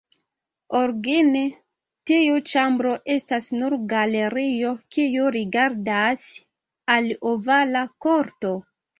Origine, tiu ĉambro estas nur galerio kiu rigardas al Ovala Korto.